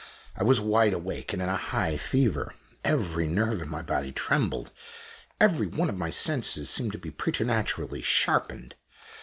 I was wide awake, and in a high fever. Every nerve in my body trembled every one of my senses seemed to be preternaturally sharpened.